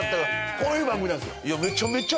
こういう番組なんですよ